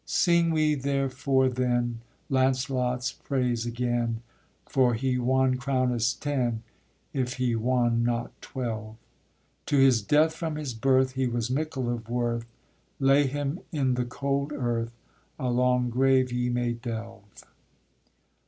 _ Sing we therefore then Launcelot's praise again, For he wan crownés ten, If he wan not twelve. _To his death from his birth He was mickle of worth, Lay him in the cold earth, A long grave ye may delve.